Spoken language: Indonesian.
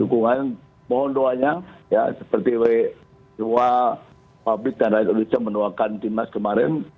juga juga yang mohon doanya ya seperti we dua pabrik dan rakyat indonesia mendoakan timnas kemarin